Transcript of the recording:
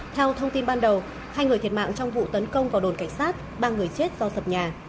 theo thông tin ban đầu hai người thiệt mạng trong vụ tấn công vào đồn cảnh sát ba người chết do sập nhà